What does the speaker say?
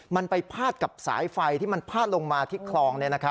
มันไปพาดกับสายไฟที่มันพาดลงมาที่คลอง